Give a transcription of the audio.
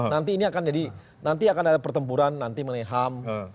nanti ini akan jadi nanti akan ada pertempuran nanti mengenai ham